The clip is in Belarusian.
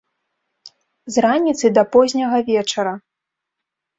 З раніцы да позняга вечара.